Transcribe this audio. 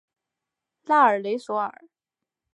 拉尔雷索尔。